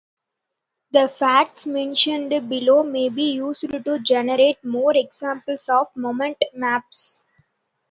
The facts mentioned below may be used to generate more examples of moment maps.